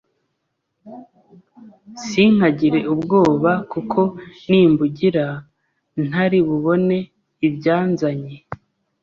sinkagire ubwoba kuko nimbugira ntari bubone ibyanzanye